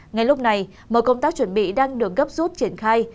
ngay lúc này mọi công tác chuẩn bị đang được gấp rút triển khai